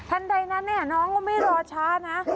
เท่าไหร่นั้นเนี่ยน้องก็ไม่รอช้านะ